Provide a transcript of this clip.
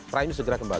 prayu segera kembali